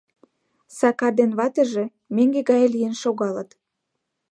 Сакар ден ватыже меҥге гае лийын шогалыт.